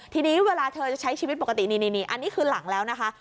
ทีนี้เวลาเธอจะใช้ชีวิตปกตินี่อันนี้คือหลังแล้วนะคะ